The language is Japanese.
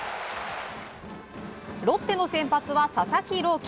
ロッテの先発は佐々木朗希。